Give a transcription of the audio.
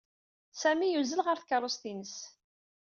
Sami yuzzel ɣer tkaṛust-ines.